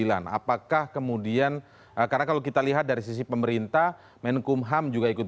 apakah kemudian karena kalau kita lihat dari sisi pemerintah menkumham juga ikut